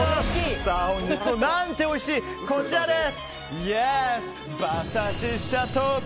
本日は、何ておいしいこちらです！